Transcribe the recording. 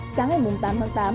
sáng ngày tám tháng tám